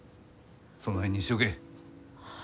その辺にしちょけ。